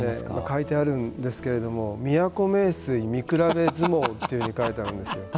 書いてあるんですけれども都名水視競相撲というふうに書いているんですよ。